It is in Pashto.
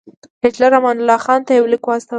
هیټلر امان الله خان ته یو لیک واستاوه.